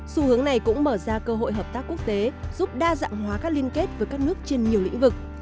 xu hướng này cũng mở ra cơ hội hợp tác quốc tế giúp đa dạng hóa các liên kết với các nước trên nhiều lĩnh vực